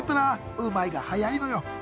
うまいが早いのよ。